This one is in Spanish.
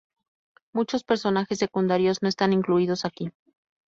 Muchos personajes secundarios no están incluidos aquí.